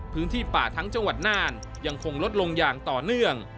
พื้นที่ป่าทั้งจังหวัดน่านยังคงลดลงอย่างต่อเนื่อง